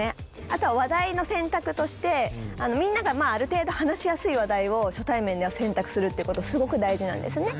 あとは話題の選択としてみんながある程度話しやすい話題を初対面では選択するってことすごく大事なんですね。